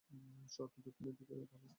শহরটি দক্ষিণের দিকে ঢালু।